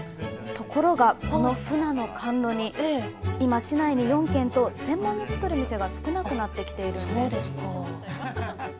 ところが、このふなの甘露煮、今、市内に４軒と、専門に作る店が少なくなってきているんです。